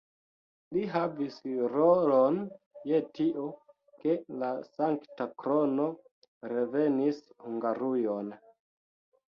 Li havis rolon je tio, ke la Sankta Krono revenis Hungarujon.